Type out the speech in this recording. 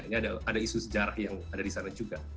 ini ada isu sejarah yang ada di sana juga